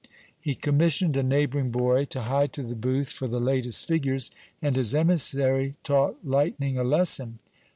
He commissioned a neighbouring boy to hie to the booth for the latest figures, and his emissary taught lightning a lesson.